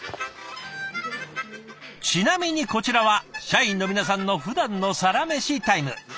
ちなみにこちらは社員の皆さんのふだんのサラメシタイム。